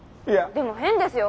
でも変ですよ。